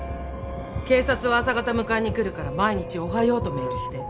警察は朝方迎えにくるから、毎日「おはよう」とメールして。